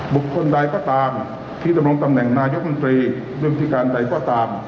บุคคลใดก็ตามที่จะลงตำแหน่งนายกรมนตรีบริธีการใดก็ตาม